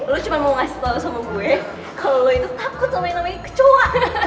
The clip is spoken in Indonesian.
lo cuma mau ngasih tau sama gue ya kalau lo itu takut sama yang namanya kecua